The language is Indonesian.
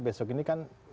besok ini kan